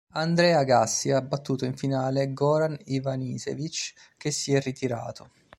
Andre Agassi ha battuto in finale Goran Ivanišević che si è ritirato.